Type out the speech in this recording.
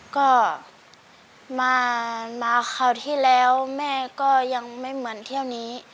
ก็มาคราวที่แล้วแม่ก็ยังไม่เหมือนเที่ยวนี้